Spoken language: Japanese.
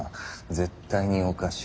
絶対におかしい。